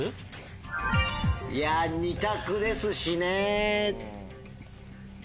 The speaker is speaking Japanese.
いや２択ですしね。